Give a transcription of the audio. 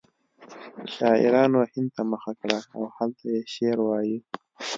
شاعرانو هند ته مخه کړه او هلته یې شعر وایه